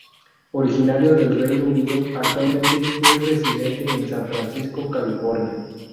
Originario del Reino Unido, actualmente es residente en San Francisco, California.